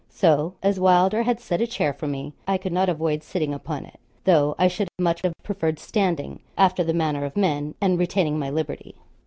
So, as Wylder had set a chair for me I could not avoid sitting upon it, though I should much have preferred standing, after the manner of men, and retaining my liberty.